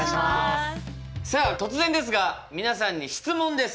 さあ突然ですが皆さんに質問です。